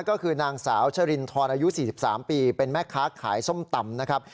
ก็คือนางสาวชรินทรอายุ๔๓ปีเป็นแม่ค้าขายส้มตำนะครับ